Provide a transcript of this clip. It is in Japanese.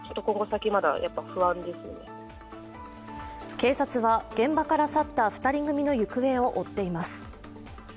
警察は現場から去った２人組の行方を追っています。